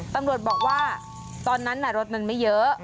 ตำรวจบอกว่าตอนนั้นรถมันไม่เยอะ